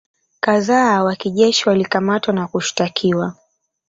kadhaa wa kijeshi walikamatwa na kushtakiwa